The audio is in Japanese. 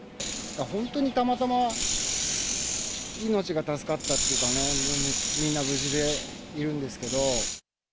本当にたまたま命が助かったというかね、みんな無事でいるんですけど。